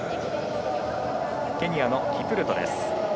ケニアのキプルト。